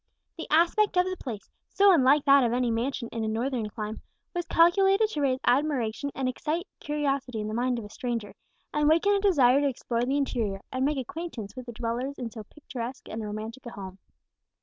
The aspect of the place, so unlike that of any mansion in a northern clime, was calculated to raise admiration and excite curiosity in the mind of a stranger, and waken a desire to explore the interior, and make acquaintance with the dwellers in so picturesque and romantic a home.